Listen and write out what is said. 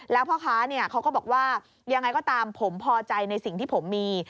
แล้วพ่อค้าเขาก็บอกว่ายังไงก็ตามผมพอใจในสิ่งที่ผมมี